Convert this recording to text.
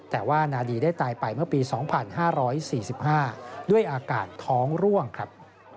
แต่ว่านาดีได้ตายไปเมื่อปี๒๕๔๕ด้วยอากาศท้องร่วงครับ